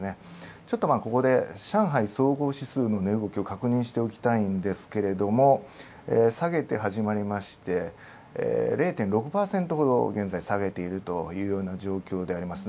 ちょっとここで上海総合指数の値動きを確認しておきたいんですけれども下げて始まりまして、０．６％ほど現在、下げているというような状況です。